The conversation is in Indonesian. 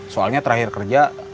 soalnya terakhir kerja